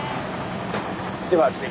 ではですね